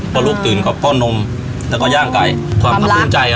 เพราะลูกตื่นกว่าพ่อนมแล้วก็ย่างไก่ความรักความภูมิใจอ่ะ